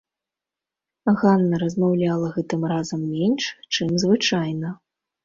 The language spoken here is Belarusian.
Ганна размаўляла гэтым разам менш, чым звычайна.